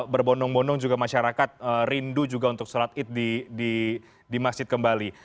berbonong bonong juga masyarakat rindu juga untuk sholat id di